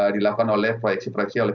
dilakukan oleh proyeksi proyeksi oleh